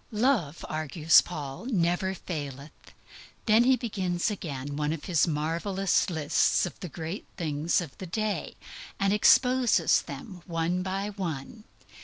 _ "Love," urges Paul, "never faileth." Then he begins again one of his marvelous lists of the great things of the day, and exposes them one by one.